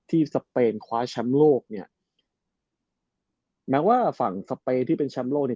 สเปนคว้าแชมป์โลกเนี่ยแม้ว่าฝั่งสเปนที่เป็นแชมป์โลกเนี่ย